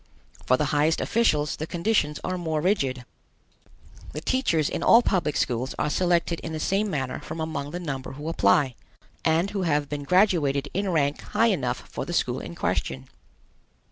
For the highest officials the conditions are more rigid. The teachers in all public schools are selected in the same manner from among the number who apply, and who have been graduated in rank high enough for the school in question.